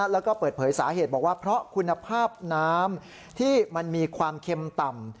แล้วก็เปิดเผยสาเหตุบอกว่าเพราะคุณภาพน้ำที่มันมีความเค็มต่ำ